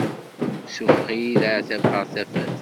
Sufeɣ-iyi leɛtab ɣer tafat.